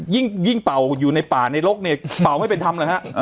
ยิ่งเป่าอยู่ในป่าในรกเนี่ยเป่าไม่เป็นธรรมเหรอฮะ